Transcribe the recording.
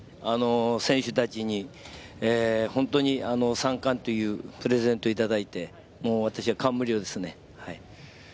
選手たちに本当に３冠というプレゼントをいただいて、もう私は感無量ですね。